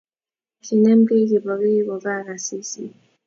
Kiinem kei Kipokeo Koba ak Asisi